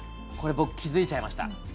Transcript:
これ僕気付いちゃいました。